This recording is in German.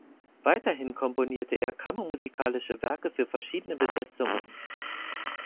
Weiterhin komponierte er kammermusikalische Werke für verschiedene Besetzungen.